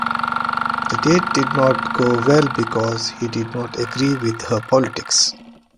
The date did not go well because he did not agree with her politics.